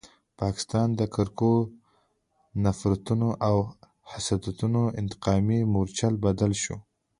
پاکستان د کرکو، نفرتونو او حسادتونو انتقامي مورچل بدل شو.